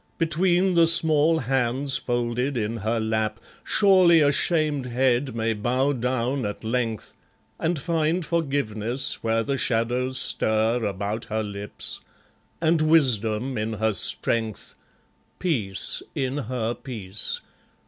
Between the small hands folded in her lap Surely a shamed head may bow down at length, And find forgiveness where the shadows stir About her lips, and wisdom in her strength, Peace in her peace.